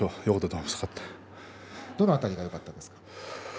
どの辺りがよかったですか。